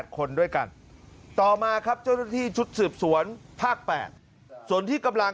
คนด้วยกันต่อมาครับเจ้าหน้าที่ชุดสืบสวนภาค๘ส่วนที่กำลัง